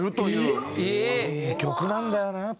いい曲なんだよな。